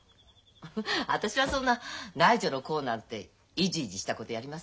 私はそんな内助の功なんてイジイジしたことやりません。